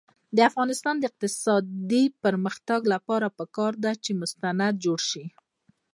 د افغانستان د اقتصادي پرمختګ لپاره پکار ده چې مستند جوړ شي.